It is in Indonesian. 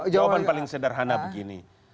jawaban paling sederhana begini